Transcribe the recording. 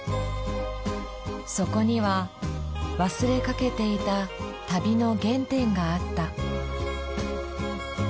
そこには忘れかけていた旅の原点があった。